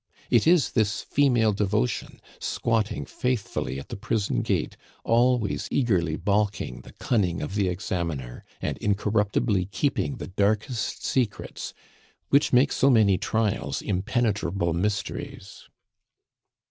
It is this female devotion, squatting faithfully at the prison gate, always eagerly balking the cunning of the examiner, and incorruptibly keeping the darkest secrets which make so many trials impenetrable mysteries.